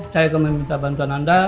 saya akan meminta bantuan anda